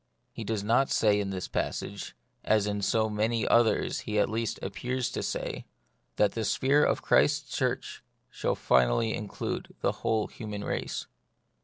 He does not say in this passage, as in so many others he at least appears to say, that the sphere of Christ's Church shall finally include the whole human race.